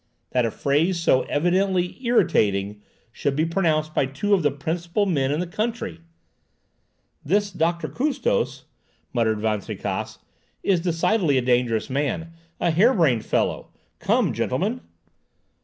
That a phrase so evidently irritating should be pronounced by two of the principal men in the country! "This Doctor Custos," muttered Van Tricasse, "is decidedly a dangerous man—a hare brained fellow! Come, gentlemen!"